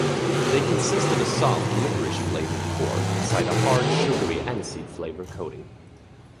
They consist of a soft liquorice-flavoured core inside a hard, sugary aniseed-flavoured coating.